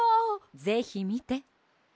ぜひみて。